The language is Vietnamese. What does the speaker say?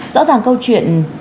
rõ ràng câu chuyện